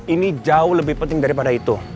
ini jauh lebih penting daripada itu